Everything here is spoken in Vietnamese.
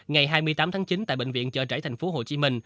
ngày hai mươi tám tháng chín tại bệnh viện chợ rẫy tp hcm